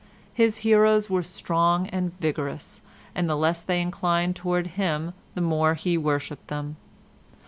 His heroes were strong and vigorous, and the less they inclined towards him the more he worshipped them.